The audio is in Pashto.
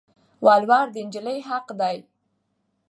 ولوړ د انجلی حق دي